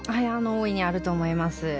大いにあると思います。